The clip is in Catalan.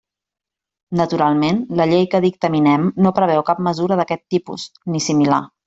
Naturalment, la Llei que dictaminem no preveu cap mesura d'aquest tipus, ni similar.